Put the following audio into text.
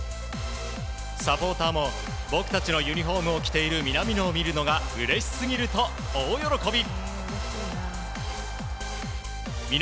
サポーターも僕たちのユニホームを着ている南野を見るのがうれしすぎると大喜び。